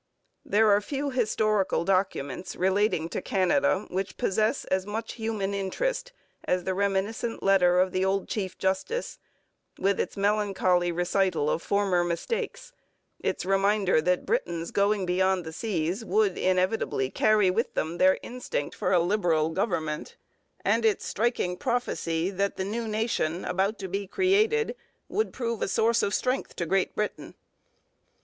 There are few historical documents relating to Canada which possess as much human interest as the reminiscent letter of the old chief justice, with its melancholy recital of former mistakes, its reminder that Britons going beyond the seas would inevitably carry with them their instinct for liberal government, and its striking prophecy that 'the new nation' about to be created would prove a source of strength to Great Britain.